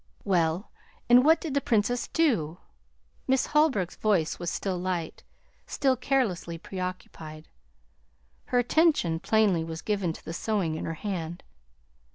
"Well, and what did the Princess do?" Miss Holbrook's voice was still light, still carelessly preoccupied. Her attention, plainly, was given to the sewing in her hand.